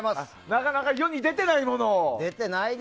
なかなか世に出てないものを。